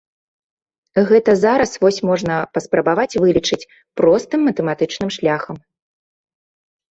Гэта зараз вось можна паспрабаваць вылічыць, простым матэматычным шляхам.